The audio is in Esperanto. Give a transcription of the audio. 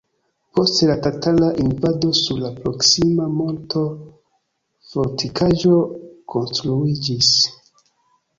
Post la tatara invado sur la proksima monto fortikaĵo konstruiĝis.